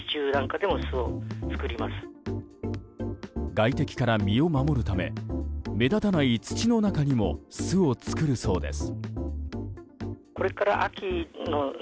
外敵から身を守るため目立たない土の中にも巣を作るそうです。